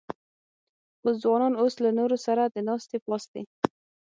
خو ځوانان اوس له نورو سره د ناستې پاستې